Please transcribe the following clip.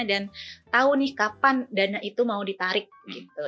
tahu nih kapan dana itu mau ditarik gitu